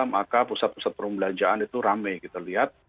maka pusat pusat perbelanjaan itu rame kita lihat